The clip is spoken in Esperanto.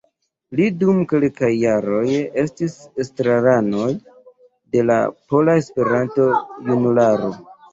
Li dum kelkaj jaroj estis estrarano de la Pola Esperanto-Junularo.